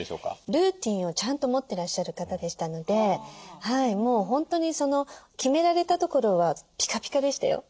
ルーティンをちゃんと持ってらっしゃる方でしたのでもう本当に決められたところはピカピカでしたよ。